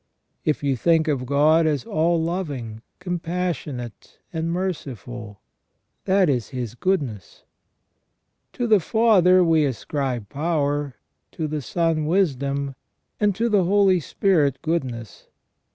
If you think of God as all loving, compassionate, and merciful, that is His good ness. To the Father we ascribe power, to the Son wisdom, and to the Holy Spirit goodness.